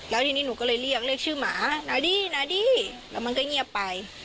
แล้วทีนี้หนูก็เลยเรียกเรียกชื่อหมานาดี้นาดี้แล้วมันก็เงียบไป